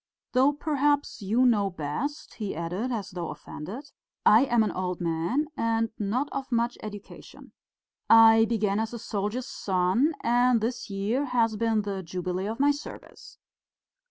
Though perhaps you know best," he added, as though offended. "I am an old man and not of much education. I began as a soldier's son, and this year has been the jubilee of my service."